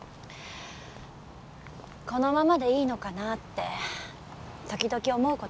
このままでいいのかなって時々思う事があるの。